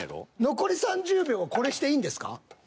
残り３０秒これしていいんですか？